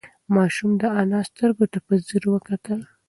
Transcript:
ماشوم د انا سترگو ته په ځير وکتل.